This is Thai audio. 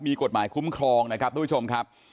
มีกฎหมายคุ้มครองนะครับทุกผู้ชมครับ